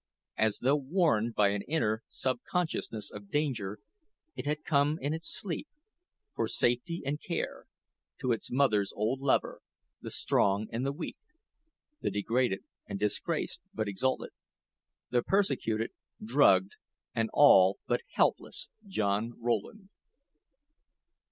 As though warned by an inner subconsciousness of danger, it had come in its sleep, for safety and care, to its mother's old lover the strong and the weak the degraded and disgraced, but exalted the persecuted, drugged, and all but helpless John Rowland.